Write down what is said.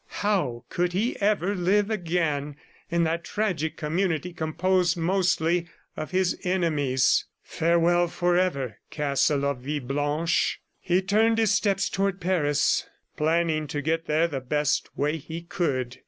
How could he ever live again in that tragic community composed mostly of his enemies? ... Farewell forever, castle of Villeblanche! He turned his steps toward Paris, planning to get there the best way he could.